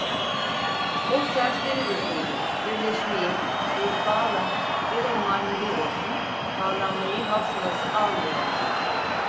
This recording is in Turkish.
O serseri ruhluydu, birleşmeyi, bir bağla "velev manevi olsun" bağlanmayı havsalası almıyordu.